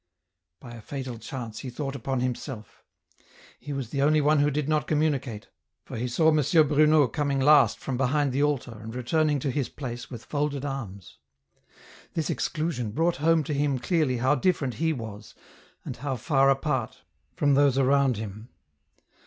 By a fatal chance he thought upon himself. He was the only one who did not communicate, for he saw M. Bruno coming last from behind the altar and returning to his place with folded arms. This exclusion brought home to him clearly how different he was, and how far apart, from those around him